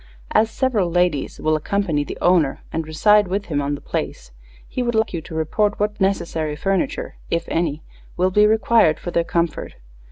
As several ladies will accompany the owner and reside with him on the place, he would like you to report what necessary furniture, if any, will be required for their comfort.